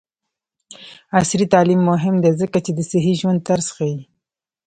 عصري تعلیم مهم دی ځکه چې د صحي ژوند طرز ښيي.